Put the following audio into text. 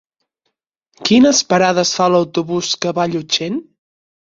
Quines parades fa l'autobús que va a Llutxent?